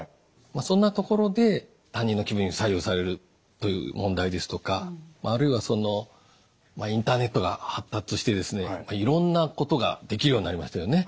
そんなところで他人の気分に左右されるという問題ですとかあるいはインターネットが発達していろんなことができるようになりましたよね。